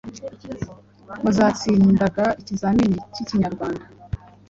Muzatsinda ikizamini k’Ikinyarwanda.